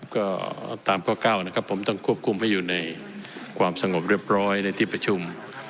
ก็ตามข้อ๙นะครับผมต้องควบคุมให้อยู่ในความสงบเรียบร้อยในที่ประชุม